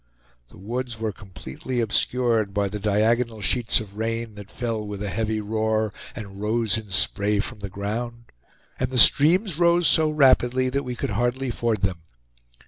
The woods were completely obscured by the diagonal sheets of rain that fell with a heavy roar, and rose in spray from the ground; and the streams rose so rapidly that we could hardly ford them.